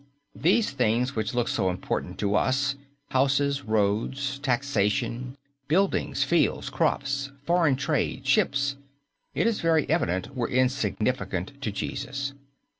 These things which look so important to us, houses, roads, taxation, buildings, fields, crops, foreign trade, ships, it is very evident were insignificant to Jesus.